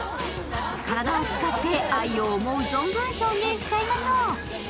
体を使って愛を思う存分表現しちゃいましょう。